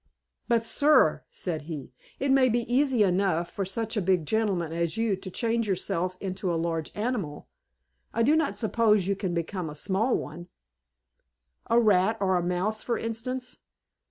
"But, sir," said he, "it may be easy enough for such a big gentleman as you to change himself into a large animal: I do not suppose you can become a small one a rat or mouse for instance.